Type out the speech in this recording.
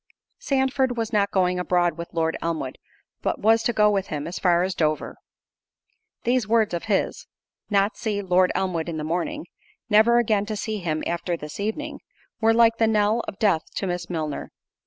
Sandford was not going abroad with Lord Elmwood, but was to go with him as far as Dover. These words of his—"Not see Lord Elmwood in the morning"—[never again to see him after this evening,] were like the knell of death to Miss Milner.